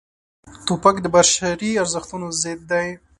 توپک د بشري ارزښتونو ضد دی.